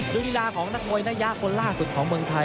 ด้วยฤาร่ากับนากมวยนายะคนล่าสุดของเมืองไทย